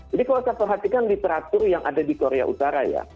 jadi kalau saya perhatikan literatur yang ada di korea utara